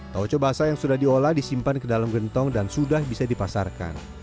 tauco basah yang sudah diolah disimpan ke dalam gentong dan sudah bisa dipasarkan